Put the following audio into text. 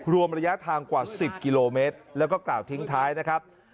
รวมระยะทางกว่า๑๐กิโลเมตรแล้วก็กล่าวทิ้งท้ายนะครับ